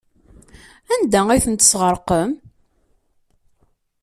Anda ay ten-tesɣerqem?